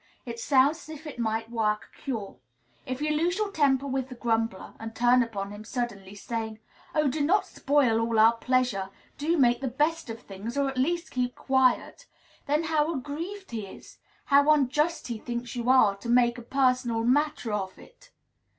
It sounds as if it might work a cure. If you lose your temper with the grumbler, and turn upon him suddenly, saying, "Oh, do not spoil all our pleasure. Do make the best of things: or, at least, keep quiet!" then how aggrieved he is! how unjust he thinks you are to "make a personal matter of it"!